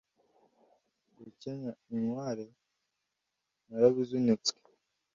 Gukenya inkware narabizinutswe